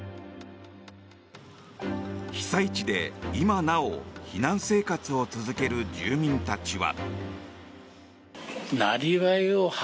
被災地で今なお避難生活を続ける住民たちは。